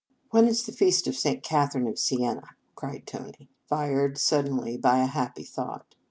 " When is the feast of St. Catherine of Siena? " cried Tony, fired suddenly by a happy thought.